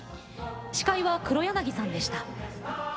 司会は黒柳さんでした。